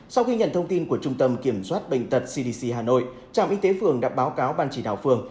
sau khi nhận thông tin của trung tâm kiểm soát bệnh tật cdc hà nội trạm y tế phường đã báo cáo ban chỉ đạo phường